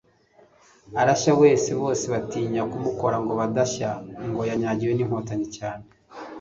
arashya wese bose batinya kumukora ngo badashya ngo yanyagiwe n'inkotanyi cyane